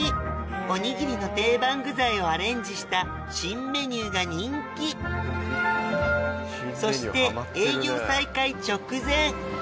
おにぎりの定番具材をアレンジした新メニューが人気そしてうわ！